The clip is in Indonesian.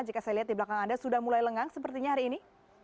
jika saya lihat di belakang anda sudah mulai lengang sepertinya hari ini